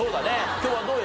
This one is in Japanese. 今日はどうよ？